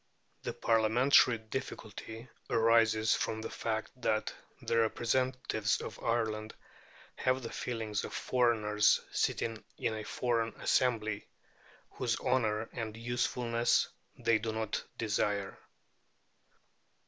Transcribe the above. The Parliamentary difficulty arises from the fact that the representatives of Ireland have the feelings of foreigners sitting in a foreign assembly, whose honour and usefulness they do not desire.